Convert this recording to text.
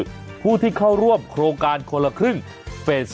หากใครที่เพิ่งสมัครใช้สิทธิ์โครงการคนละครึ่งเฟส๓